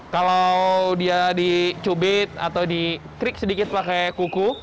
kalau dia dicubit atau dikrik sedikit pakai kuku